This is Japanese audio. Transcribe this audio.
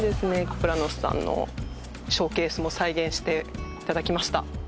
アプラノスさんのショーケースも再現していただきました